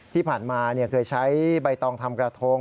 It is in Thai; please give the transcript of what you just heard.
ที่ผ่านมาเคยใช้ใบตองทำกระทง